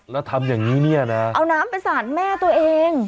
แล้วทำอย่างนี้เนี่ยนะเอาน้ำไปสาดแม่ตัวเอง